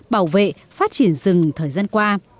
bảo vệ phát triển rừng thời gian qua